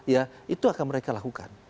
ya itu akan mereka lakukan